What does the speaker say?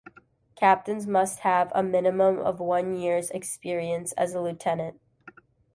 Captains must have a minimum of one year's experience as a lieutenant.